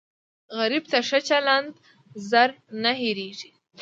غریب ته ښه چلند زر نه هېریږي